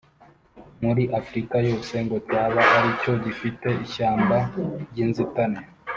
muri Afurika yose ngo cyaba ari cyo gifite ishyamba ry’inzitane